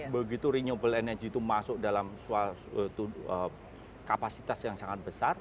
begitu renewable energy itu masuk dalam kapasitas yang sangat besar